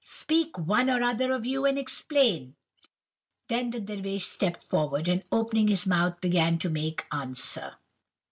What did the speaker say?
Speak one or other of you and explain.' "Then the Dervish stepped forward, and opening his mouth, began to make answer.